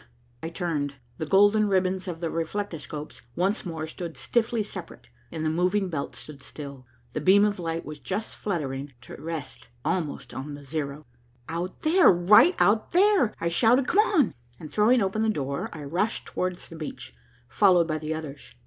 I turned. The golden ribbons of the reflectoscopes once more stood stiffly separate and the moving belt stood still. The beam of light was just fluttering to rest almost on the zero. "Out there! Right out there!" I shouted. "Come!" and throwing open the door, I rushed towards the beach, followed by the others.